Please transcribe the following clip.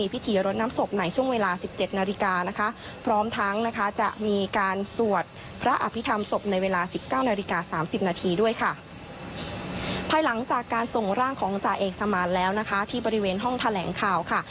ภายหลังจากการส่งร่างของจ่าเอกสมานแล้วนะคะที่บริเวณห้องแถลงข่าวค่ะ